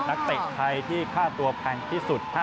เตะไทยที่ค่าตัวแพงที่สุด